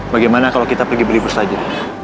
bagaimana kalau kita pergi berlibur saja